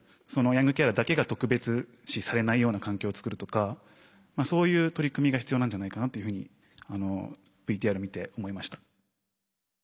ヤングケアラーだけが特別視されないような環境をつくるとかそういう取り組みが必要なんじゃないかなというふうにＶＴＲ見て思いました。